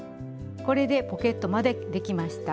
これでポケットまでできました。